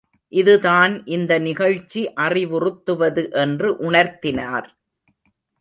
இதுதான் இந்த நிகழ்ச்சி அறிவுறுத்துவது என்று உணர்த்தினார்.